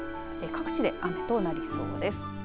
各地で雨となりそうです。